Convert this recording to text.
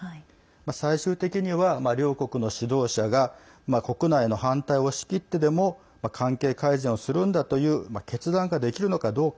最終的には、両国の指導者が国内の反対を押し切ってでも関係改善をするんだという決断ができるのかどうか。